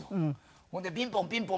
それでピンポンピンポン